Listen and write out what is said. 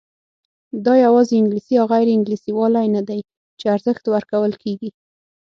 دا یوازې انګلیسي یا غیر انګلیسي والی نه دی چې ارزښت ورکول کېږي.